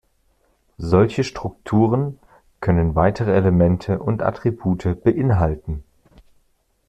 Solche Strukturen können weitere Elemente und Attribute beinhalten.